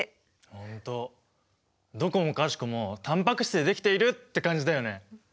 本当どこもかしこもタンパク質でできているって感じだよね。